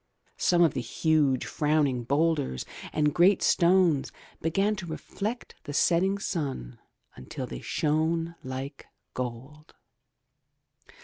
Some of the huge, frowning boulders and great stones began to reflect the setting sun until they shone like gold.